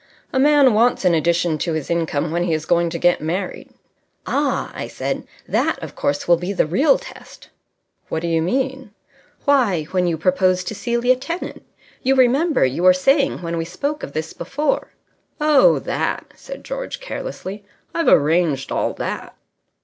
A man wants an addition to his income when he is going to get married." "Ah!" I said. "That, of course, will be the real test." "What do you mean?" "Why, when you propose to Celia Tennant. You remember you were saying when we spoke of this before " "Oh, that!" said George, carelessly. "I've arranged all that."